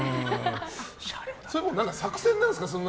作戦なんですか？